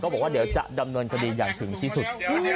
บอกว่าเดี๋ยวจะดำเนินคดีอย่างถึงที่สุด